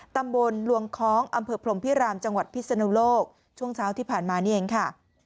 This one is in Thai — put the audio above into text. ตำบลลวงคล้องอำเภอพรมพิรามจังหวัดพิศนุโลกช่วงเช้าที่ผ่านมานี่เองค่ะ